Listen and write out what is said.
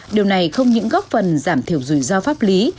điều này không những góp phần giảm thiểu rủi ro pháp lý